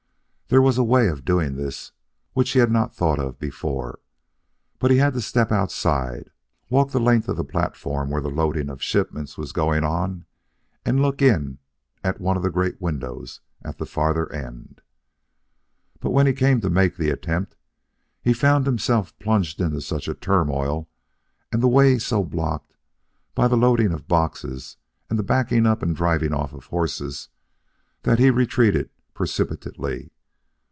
There was a way of doing this of which he had not thought before. He had but to step outside, walk the length of the platform where the loading of shipments was going on, and look in at one of the great windows at the further end. But when he came to make the attempt, he found himself plunged into such a turmoil and the way so blocked by the loading of boxes and the backing up and driving off of horses that he retreated precipitately.